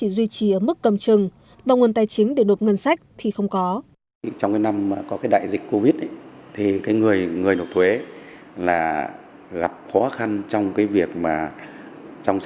đi chỉ ở mức cầm chừng và nguồn tài chính để nộp ngân sách thì không có